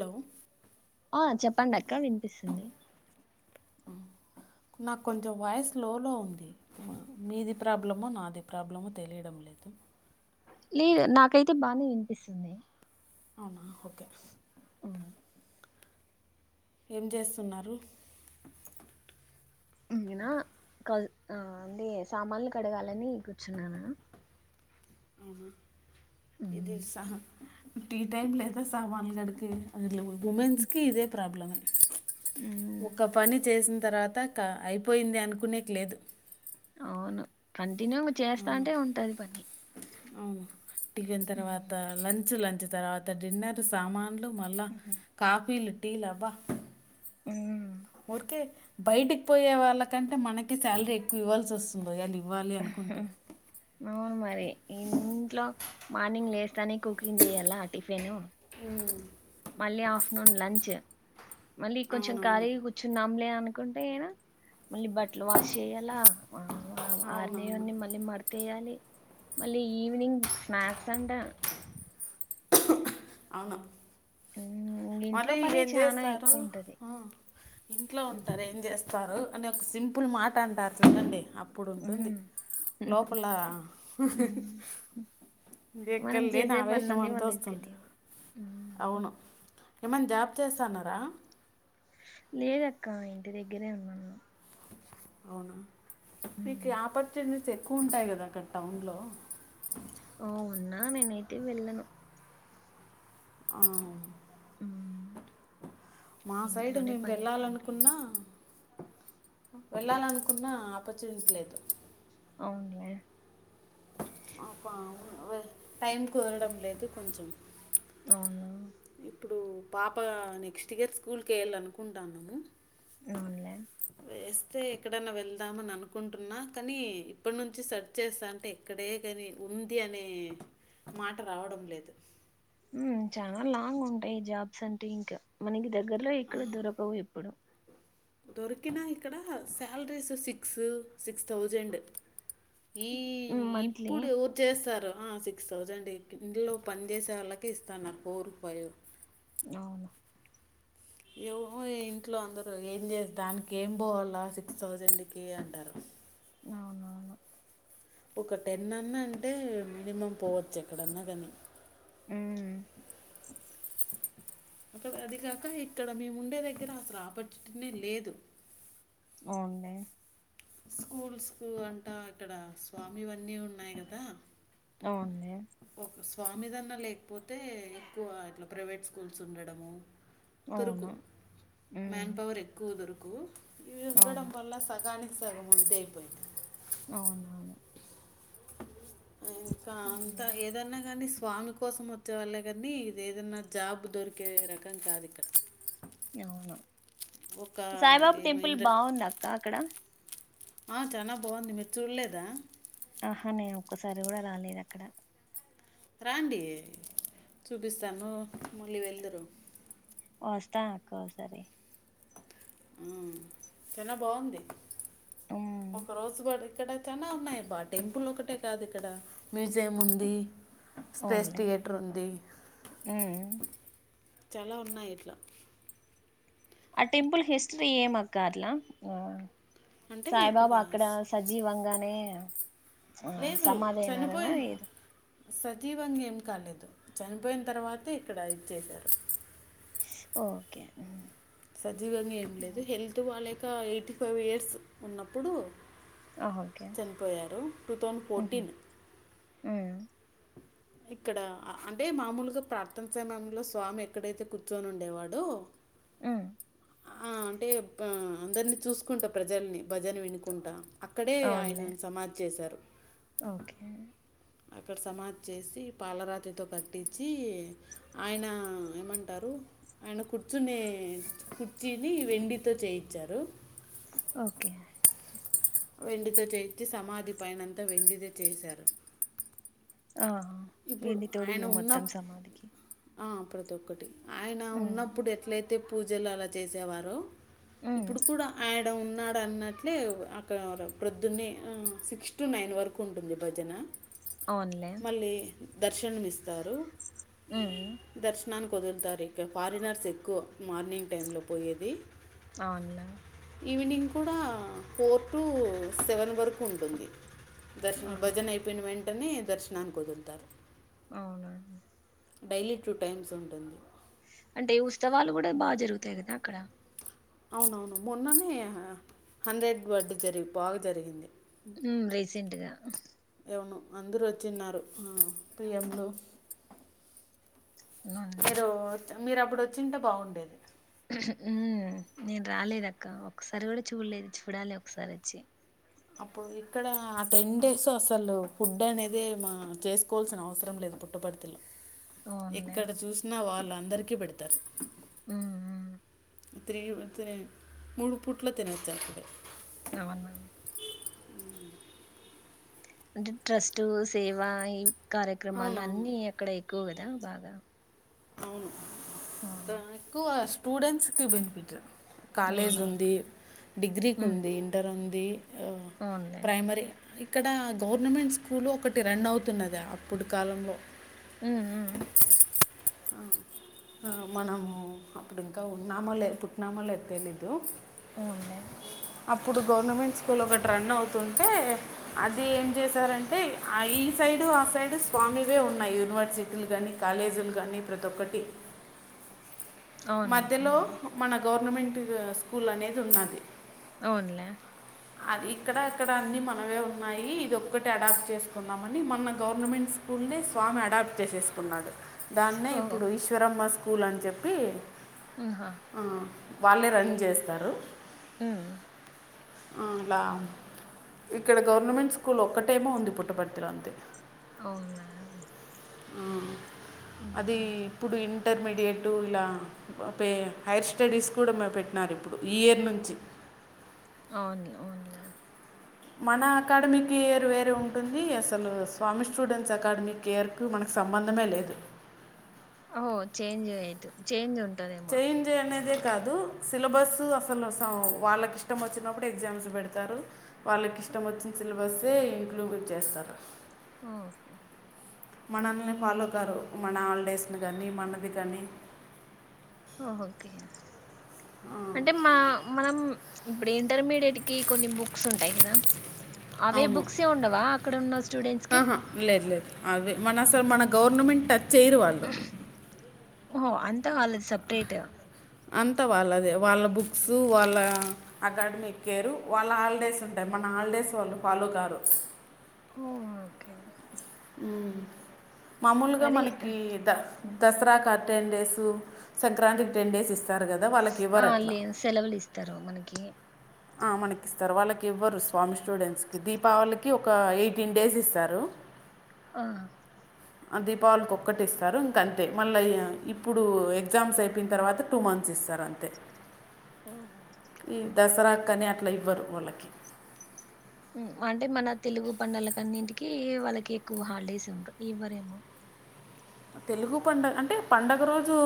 Hello ఆ చెప్పండి అక్క వినిపిస్తుంది నాకు కొంచెం వాయిస్ స్లోలో ఉంది మీది ప్రాబ్లమో నాది ప్రాబ్లమో తెలియడం లేదు లేదు నాకైతే బానే వినిపిస్తుంది అవునా ఓకే ఏం చేస్తున్నారు నేనా క అంటే సామాన్లు కడగాలని కూర్చున్నానా అహ ఇది మ్మ్ సహ టీ టైం లేదా సామాన్లు గడికి అందు ఉమెన్స్కి ఇదే ప్రాబ్లం ఒక పని చేసిన తర్వాత క అయిపోయింది అనుకునే లేదు అవును కంటిన్యూ చేస్తాంటే ఉంటది పని టిఫిన్ తర్వాత లంచ్ లంచ్ తర్వాత డిన్నర్ సామాన్లు మల్ల మ్మ్ కాఫీలు టీ లు అబ్బా ఉ ఊరికే బయటికి పోయే వాళ్ళకంటే మనకి శాలరీ ఎక్కువ ఇవ్వాల్సి వస్తుందో ఇవ్వాలి అనుకుంటే అవును మరి ఇంట్లో మార్నింగ్ లేస్తానే కుకింగ్ చేయాలా టిఫిన్ ఉ మళ్ళీ ఆఫ్టర్నూన్ లంచ్ మళ్ళీ కొంచెం అవునవును ఖాళీ కూర్చున్నాంలే అన కుంటే ఏనా మళ్ళీ బట్టలు వాష్ చెయాల అవునవును ఆరినేవన్ని మళ్ళీ మడతేయాలి మళ్ళీ ఈవినింగ్ స్నాక్స్ అంట అవునా మ్మ్ ఇంట్లో మరి పనే ఏం చానా చేస్తారు ఎక్కువ ఉంటది ఆ ఇంట్లో ఉంటారు ఏం చేస్తారు అని ఒక సింపుల్ మాట అంటారు చూడండి ఇప్పుడు ఉంటుంది మ్మ్ లోపల ఎక్కడ మనం లేని చేసే పనులన్నీ ఆవేష్మంత వస్ వాళ్ళకి తెలియవు మ్మ్ అవును ఏమైనా జాబ్ చేస్తన్నారా లేదక్క ఇంటి దగ్గరే ఉన్నాను అవునా మీకు మ్మ్ ఆపర్చునిటీస్ ఎక్కువ ఉంటాయి కదా అక్కడ టౌన్లో ఓ ఉన్నా నేనైతే వెళ్ళను ఆ మ్మ్ మా సైడు ఇంట్లోనే మేము పని ఎక్కువ ఉంటుంది వెళ్ళాలనుకున్నా వెళ్ళాలనుకున్నా ఆపర్చునిటి లేదు అవునులే అబ్బా ఆ టైం కుదరడం లేదు కొంచెం అవునా ఇప్పుడు పాప నెక్స్ట్ ఇయర్ స్కూల్కి వేయల్ల అనుకుంటున్నాము అవునులే చేస్తే ఎక్కడన్నా వెళ్దాం అని అనుకుంటున్నా కానీ ఇప్పటి నుంచి సెర్చ్ చేస్తా అంటే ఎక్కడే గాని ఉంది అనే మాట రావడం లేదు ఉమ్ చానా లాంగ్ ఉంటాయి జాబ్స్ అంటే ఇంకా మనకి దగ్గరలో ఎక్కడ దొరకవు ఇప్పుడు దొరికిన ఇక్కడ శాలరీస్ సిక్స్ సిక్స్ థౌజండ్ ఈ మ్మ్ మంత్లీ ఇప్పుడు ఎవరు చేస్తారు ఆ సిక్స్ థౌజండ్ ఇంట్లో పనిచేసే వాళ్ళకే ఇస్తాన్నారు ఫోర్ ఫైవ్ అవును ఏమో ఇంట్లో అందరు ఏం చేసి దానికి ఏం పోవాల సిక్స్ థౌజండ్కి అంటారు అవునవును ఒక టెన్ అన్నా అంటే మినిమం పోవచ్చు ఎక్కడన్నా కానీ ఉమ్ అ అది కాక ఇక్కడ మేము ఉండే దగ్గర అసలు ఆపార్చునిటీ నే లేదు అవునులే స్కూల్స్కు అంటా ఇక్కడ స్వామి ఇవన్నీ ఉన్నాయి కదా అవునులే ఒక స్వామిదన్న లేకపోతే ఎక్కువ ఇట్లా ప్రైవేట్ స్కూల్స్ ఉండడము దొరుకు అవును మ్యాన్ ఉమ్ పవర్ ఎక్కువ దొరుకు ఇది ఉండడం అవును వల్ల సగానికి సగం ఉంటే అయిపోయింది అవునవును ఇంకా అంతా ఉమ్, ఏదన్నా కానీ స్వామి కోసం వచ్చే వాళ్ళే కానీ ఇది ఏదన్నా జాబ్ దొరికే రకం కాదు ఇక్కడ ఒక సాయిబాబ ఏమో టెంపుల్ ఇండ బాగుందా అక్క అక్కడ ఆ చానా బాగుంది మీరు చూడలేదా ఆహా నేను ఒక్కసారి కూడా రాలేదు అక్కడ రాండి చూపిస్తాను మళ్ళీ వెల్దురు వస్తానక్క ఒకసారి ఆ చాలా బాగుంది ఉమ్ ఒక రోజు కూడా ఇక్కడ చానా ఉన్నాయి బా టెంపుల్ ఒకటే కాదు ఇక్కడ మ్యూజియం ఉంది స్పేస్ అవునులే థియేటర్ ఉంది ఉమ్ చాలా ఉన్నాయి ఇట్లా ఆ టెంపుల్ హిస్టరీ ఏమక్క అట్లా ఆ అంటే ఇక్కడ సాయిబాబా అక్కడ సజీవంగానే ఆ లేదు సమాధి అయినారనా చనిపోయింది ఏదో సజీవంగా ఏం కాలేదు చనిపోయిన తర్వాతే ఇక్కడ అది చేశారు ఓకే సజీవంగా ఏం లేదు ఉమ్. హెల్త్ బాలేక ఎయిటీ ఫైవ్ ఇయర్స్ ఉన్నప్పుడు ఆ, ఓకే చనిపోయారు టూ థౌసండ్ ఉహు ఫోర్టీన్ ఉమ్ ఇక్కడ అంటే మామూలుగా ప్రార్థన సమయంలో స్వామి ఎక్కడైతే కూర్చొని ఉండేవాడో ఉమ్ ఆ అంటే అందరినీ చూసుకుంటా ప్రజల్ని భజన వినుకుంటా అక్కడే అవునులే ఆయన సమాధి చేశారు ఓకే అక్కడ సమాధి చేసి పాలరాతితో కట్టించి ఆయన ఏమంటారు ఆయన కూర్చునే కుర్చీని వెండితో చేయించారు ఒకే వెండితో చేయించి సమాధి పైనంత వెండితో చేశారు ఆ ఇప్పుడు వెండి తోడు ఆయన ఉన్న మొత్తం సమాధకి ఆ ప్రతి ఒక్కటి ఆయన ఉన్నప్పుడు ఎట్లయితే పూజలు అల చేసేవారో ఉమ్ ఇప్పుడు కూడ ఆ యన ఉన్నాడు అన్నట్లే అక్కడ ప్రొద్దున్న సిక్స్ టు నైన్ వరకు ఉంటుంది భజన అవునులే దర్శనమిస్తారు ఉమ్ దర్ క్షణానికి వదులుతారు ఇక ఫారినర్స్ ఎక్కువ మార్నింగ్ టైంలో పోయేది అవునులే ఈవినింగ్ కూడా ఫోర్ టు సెవెన్ వరకు ఉంటుంది దర్శనం ఆహా భజన అయిపోయిన వెంటనే దర్శనానికి ఒదులుతారు అవునా డైలీ టూ టైమ్స్ ఉంటుంది అంటే ఉత్సవాలు కూడ బాగా జరుగుతాయి కదా అక్కడ అవునవును మొన్ననే హండ్రెడ్ వడ్డు జరిగి బాగ జరిగింది రీసెంట్గ అవును అందరు వచ్చిన్నారు పి ఎం లు అవునులే మీరు మీరు అప్పుడు వచ్చింటే బాగుండేది నేను రాలేదక్క ఒకక్కసారి కూడ చూడలేదు చూడాలి ఒకసారి వచ్చి అప్పుడు ఇక్కడ ఆ టెన్ డేస్ అసలు ఫుడ్ అనేది మా చేసుకోవాల్సిన అవసరం లేదు పుట్టపర్తిలో అవునులే ఎక్కడ చూసినా వాళ్ళు అందరికీ పెడతారు హు హు [unintelligible] మూడు పూట్ల తినచ్చు అక్కడే అవునా అంటే ట్రస్ట్ సేవ ఈ కార్యక్రమాలు అవునవును అన్ని అక్కడ ఎక్కువ ద బాగ అవును ఎక్కువ స్టూడెంట్స్ కి బెనిఫిట్ కాలేజ్ అవునవును ఉంది డిగ్రీకి ఉంది ఇంటర్ ఉంది ఆ, అవున్లే ప్రైమరీ ఇక్కడ గవర్నమెంట్ స్కూలు ఒకటి రన్ అవుతున్నది అప్పుడు కాలంలో హు హు మనము అప్పుడు ఇంకా ఉనామలే పూట్నమో లే తెలిదు అవున్లె అప్పుడు గవర్నమెంట్ స్కూల్ ఒకటి రన్ అవుతుంటే అది ఏం చేశారంటే అయి సైడు ఆ సైడ్ స్వామివే ఉన్నాయి యూనివర్సిటీలు గాని కాలేజ్ లు గాని ప్రతి ఒక్కటి అవును. మధ్యలో హ్మ్. మన గవర్నమెంట్ స్కూల్ అనేది ఉన్నది అవునులే అది ఇక్కడ అక్కడ అన్ని మనవే ఉన్నాయి ఇది ఒక్కటి అడాప్ట్ చేసుకుందామని మన గవర్నమెంట్స్ స్కూల్ని స్వామి అడాప్ట్ చేసేసుకున్నాడు దాన్నే ఓహ్! ఇప్పుడు ఈశ్వరమ్మ స్కూల్ అని చెప్పి హా ఆ, వాళ్ళే రన్ చేస్తారు హు అలా ఇక్కడ గవర్నమెంట్ స్కూల్ ఒక్కటేమో ఉంది పుట్టపర్తిలో అంతే అవునా అది హ్మ్. ఇప్పుడు ఇంటర్మీడియట్ ఇలా పే హైర్ స్టడీస్ కూడా పెట్టినారు ఇప్పుడు ఈ ఇయర్ నుంచి అవును అవున్లే మన అకాడమికి ఇయర్ వేరే ఉంటుంది అసలు స్వామి స్టూడెంట్స్ అకాడమకి ఇయర్ క మనకి సంబంధమే లేదు ఓ చేంజ్ అయి చంజ్ ఉంది చేంజ్ అనేది కాదు సిలబస్ అసలు వాళ్ళకి ఇష్టం వచ్చినప్పుడు ఎగ్జామ్స్ పెడతారు వాళ్ళకి ఇష్టం వచ్చిన సిలబస్సే ఇంక్లూడ్ చేస్తారు ఓకే మనల్ని ఫాలో కారు మన హాలిడేస్ని కానీ మనది కానీ ఓహఓకే అంటే మా మనం ఇప్పుడు ఇంటర్మీడియట్ కి కొన్ని బుక్స్ ఉంటాయి కదా అవే అవును బుక్స్ ఉండవా అక్కడ ఉన్న స్టూడెంట్స్ కి ఆహా లేదు లేదు అవి మన అసలు మన గవర్నమెంట్ టచ్ చేయరు వాళ్ళు ఓ అంతా వాళ్లది సపరేట్ అంతా వాళ్ళదే వాళ్ళ బుక్స్ వాళ్ళ అకాడమీ ఎ కేేరు వాళ్ళ హాలిడేస్ ఉంటాయి మ మన హాలిడేస్ వాళ్ళు ఫాలో కారు ఓ ఓకే మామూలుగా అది మనకి ద దసరాకి టెన్ డేసు సంక్రాంతికి టెన్ డేస్ ఇస్తంది స్తారు కదా వాళ్ళకి ఆ! ఇవ్వరుట్లా లే సెలవులిస్తారు మనకి. ఆ మనకి ఇస్తారు వాళ్ళకి ఇవ్వరు స్వామి స్టూడెంట్స్ కి దీపావళికి ఒక ఎయిటీన్ డేస్ ఇస్తారు ఆ ఆ దీపావళికి ఒక్కటి ఇస్తారు ఇంక అంతే మళ్ళా ఇప్పుడు ఎగ్జామ్స్ అయిపోయిన తర్వాత టూ మంత్స్ ఇస్తారు అంతే ఓకే కానే అట్లా ఇవ్వరు వాళ్ళకి అంటే మన తెలుగు పండలకన్నింటికి వాళ్ళకి ఎక్కువ హాలిడేస్ ఉంట ఎవ్వరేమో తెలుగు పండగ అంటే పండగ రోజు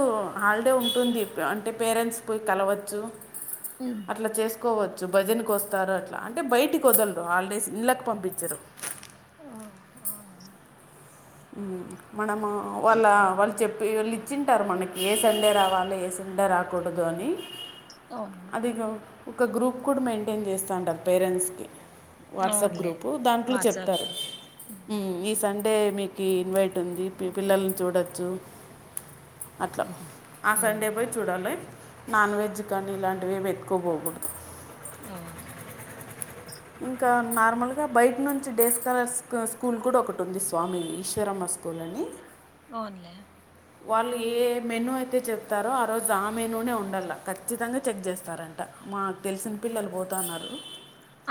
హాలిడే ఉంటుంది అంటే పేరెంట్స్ పోయి కలవద్ మ్ అట్లా చేసుకోవచ్చు భజనకు వస్తారు అట్లా అంటే బయటికి వదలరు హాలిడేస్ ఇళ్ళకి పంపించరు ఓ అవునా మనము వాళ్ళ వాళ్ళు చెప్ప వీళ్లు ఇచ్చింటారు మనకి ఏ సండే రావాలో ఏ సండే రాకూడదు అని అవును అది ఇక ఒక గ్రూప్ కూడా మెయింటైన్ చేస్తాంటారు పేరెంట్స్ కి వాట్సాప్ అవునులే గ్రూపు దాంట్లో వాట్సాప్ చెప్తారు గ్రూప్ మ్ ఈ సండే మీకు కి ఇన్వైట్ ఉంది పిల్లల్ని చూడచ్చు అట్లా ఆ సండే మ్ పోయి చూడాలి నాన్ వెజ్ కానీ ఇలాంటివి వెతుకోపోకూడదు అవును ఇంకా నార్మల్ గా బయట నుంచి డేస్ కలర్ స్కూల్ కూడా ఒకటి ఉంది స్వామి ఈశ్వరమ్మ స్కూల్ని అవున్లే వాళ్ళు ఏ మెనుూ అయితే చెప్తారో ఆ రోజు ఆ మెనుూనే ఉండలా ఖచ్చితంగా చెక్ చేస్తారంట మాకు తెలిసిన పిల్లలు పోతన్నారు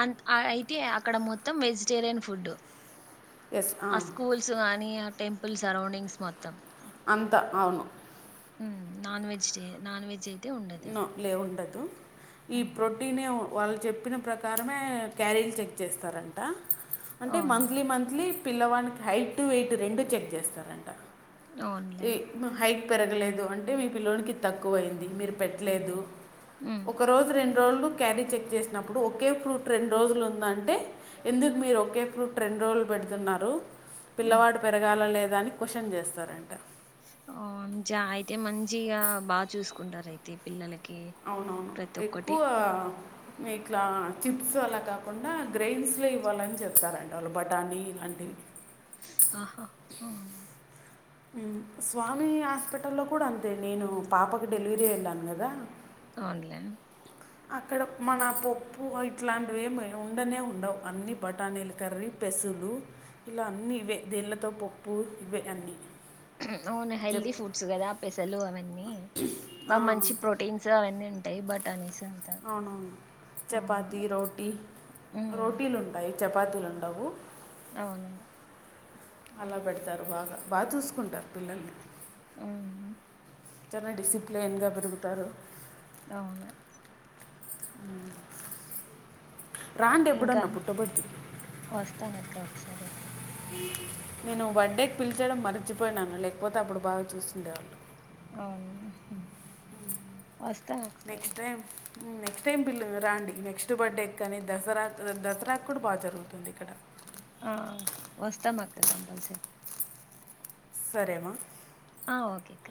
అ అయితే అక్కడ మొత్తం వెజిటేరియన్ ఫుడ్డు ఎస్ ఆ స్కూల్స్ కానీ ఆ టెంపుల్ సరౌండింగ్స్ మొత్తం అంత అవును ఉమ్ నాన్ వెజ్ టే నాన్ వెెజ్ ఎ నో లేవు ఉండదు ఈ ప్రోటీన్ ఏ వాళ్ళు చెప్పిన ప్రకారమే క్యారీలు చెక్ చేస్తారంట అంటే అవునా మంత్లీ మంత్లీ పిల్లవానీకి హైట్ వెయిట్ రెండు చెక్ చేస్తారంట అవునులే ఈ మ హైట్ పెరగలేదు అంటే మీమీ పిల్లాడికి తక్కువ అయ్యింది. మీరు పెట్టలేదు మ్ ఒక రొజు రెండు రోజులు క్యారీ చెక్ చేసినప్పుడు ఒకే ఫ్రూట్ రెండు రోజులు ఉంద అంటే ఎందుకు మీరు ఒకే ఫ్రూట్ రెం రెండ రోజులు పెడుతున్నారు మ్ పిల్లవాడు పెరగాల లేదా అని క్వశ్చన్ చేస్తారండి ఆచ్చా అయితే మంచిగా బాగా చూసుకుంటారు. అయితే పిల్లలకి అవునవును ప్రతి ఒక్కటి ఎక్కువ మీకా చిప్స్ అలా కాకుండా గ్రైయిన్స్లో ఇవ్వాలని చెప్తారంటడి వాళ్ళు బఠానీ ఇలాంటివి ఆహా ఓ స్వామి హాస్పిటల్లో కూడా అంతే నేను పాపకి డెలివరీ వెళ్ళాను కదా ఆన్లైన్ అక్కడ మన పప్పు ఇట్లాంటివి ఏమి ఉండనే ఉండవు అన్ని బటానీలు కర్రీ పె పెసులు ఇలా అన్నీ ఇవే దేళ్లతో పప్పు ఇవే అన్నీ అవును చెప్ హెల్ది ఫూడ్స్ కదా పేసలు అవన్నీ బా ఆ, మంచి ప్రోటీన్స్ అవన్నీ ఉంటాయి బట్ అనేసి అంత అవునవును అవును చపాతి రోటీ ఉమ్ రోటీలు ఉంటాయి. చపాతీలు ఉండవు. అవును అలా పెడతారు బాగా బాగా చూసుకుంటారు పిల్లల్ని ఆ చానా డిసిప్లేన్గా పెరుగుతారు. అవునులే రాండి ఇంకా ఎప్పుడున్నా పుట్టబర్తీ సరే నేను బెడే కి పిలిచడం మర్చిపోయినాను. లేకపోతే అప్పుడు బాగా చూస్తుండేవాళ్ళు అవునా వస్తవ ఒకసారి నెక్స్ట్ టైం నెక్స్ట్ టైం పిల్లలు రాండి నెక్స్ట్ బర్త్డే కానీ దసరా ద్ దసరా కూడా బాగా జరుగుతుంది. ఇక్కడ ఆ వస్తమక్క కంపల్సరి సరే మా ఆ ఓకేక్క